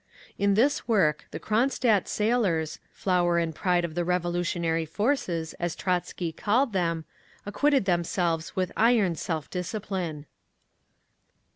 In this work the Cronstadt sailors, "flower and pride of the revolutionary forces," as Trotzky called them, acquitted themselves with iron self dicipline…. 8.